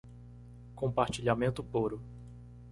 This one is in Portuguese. Compartilhamento puro